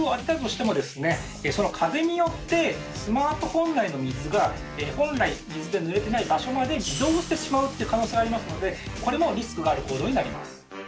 その風によってスマートフォン内の水が本来水でぬれてない場所まで移動してしまうって可能性がありますのでこれもリスクがある行動になります。